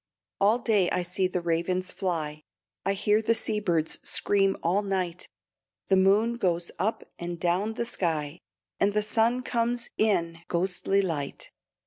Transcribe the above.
All day I see the ravens fly, I hear the sea birds scream all night; The moon goes up and down the sky, And the sun comes in ghostly light.